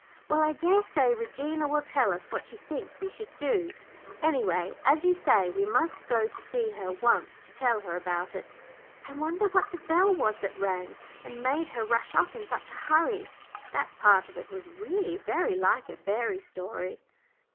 "Well, I dare say Regina will tell us what she thinks we should do. Any way, as you say, we must go to see her once to tell her about it. I wonder what the bell was that rang, and made her rush off in such a hurry. That part of it was really very like a fairy story."